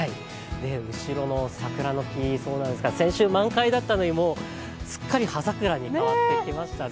後ろの桜の木、先週満開だったのに、すっかり葉桜に変わってきましたね。